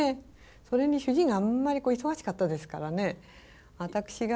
それに主人があんまり忙しかったですからね私が。